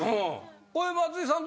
これ松井さん